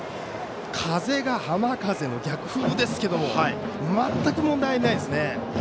風が、浜風の逆風ですけども全く問題ないですね。